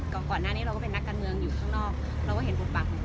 ก่อนหน้านี้เราก็เป็นนักการเมืองอยู่ข้างนอก